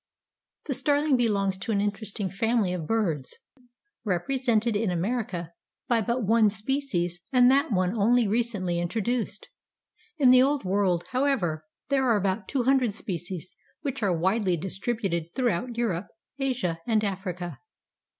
The Starling belongs to an interesting family of birds, represented in America by but one species and that one only recently introduced. In the Old World, however, there are about two hundred species which are widely distributed throughout Europe, Asia and Africa.